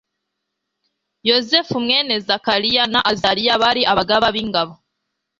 yozefu mwene zakariya na azariya, bari abagaba b'ingabo